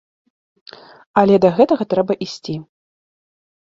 Але да гэтага трэба ісці.